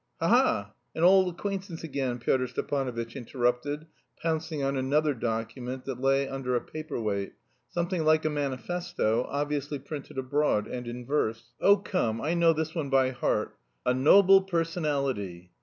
"Ha ha, an old acquaintance again," Pyotr Stepanovitch interrupted, pouncing on another document that lay under a paper weight, something like a manifesto, obviously printed abroad and in verse. "Oh, come, I know this one by heart, 'A Noble Personality.'